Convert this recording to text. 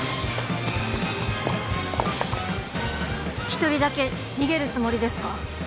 一人だけ逃げるつもりですか？